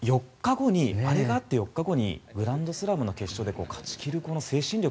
その４日後にグランドスラムの決勝で勝ち切るこの精神力